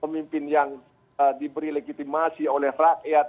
kemudian dapat pemimpin yang diberi legitimasi oleh rakyat